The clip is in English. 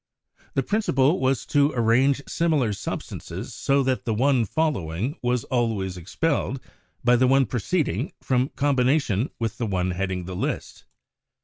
The princi ple was to arrange similar substances so that the one fol lowing was always expelled by the one preceding from combination with the one heading the list.